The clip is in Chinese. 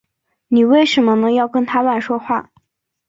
妳为什呢要跟他乱说话